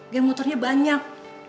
geng motornya banyak